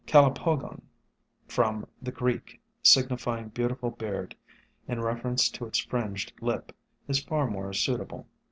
Calopo gon, from* the Greek signify ing beautiful beard, in reference to its fringed lip, is far more r suitable.